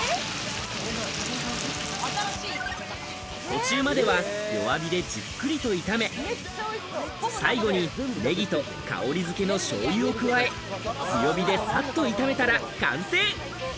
途中までは弱火でじっくりと炒め、最後にネギと香りづけのしょうゆを加え、強火でさっと炒めたら完成。